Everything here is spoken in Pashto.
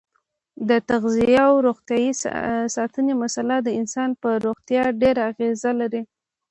د تغذیې او روغتیا ساتنې مساله د انسان په روغتیا ډېره اغیزه لري.